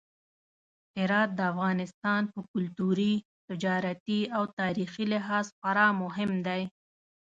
هرات د افغانستان په کلتوري، تجارتي او تاریخي لحاظ خورا مهم دی.